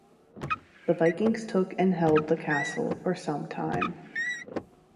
The Vikings took and held the castle for some time.